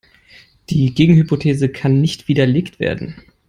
Die Gegenhypothese kann nicht widerlegt werden.